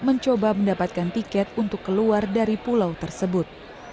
mencoba mendapatkan tiket untuk keluar dari pulau tersebut